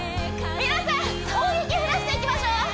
皆さん大雪降らせていきましょう！